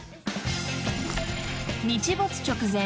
［日没直前。